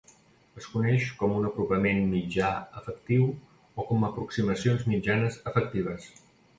Es coneix com un apropament mitjà efectiu o com aproximacions mitjanes efectives.